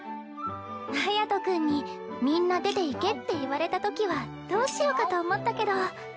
隼君にみんな出ていけって言われたときはどうしようかと思ったけど。